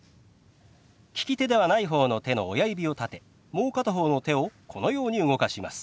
利き手ではない方の手の親指を立てもう片方の手をこのように動かします。